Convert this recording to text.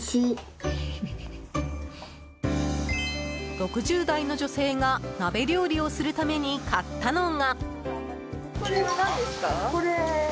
６０代の女性が鍋料理をするために買ったのが。